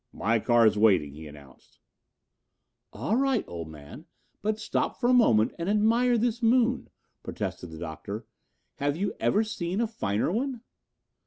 "My car is waiting," he announced. "All right, old man, but stop for a moment and admire this moon," protested the Doctor. "Have you ever seen a finer one?"